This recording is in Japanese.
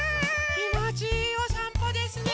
きもちいいおさんぽですね。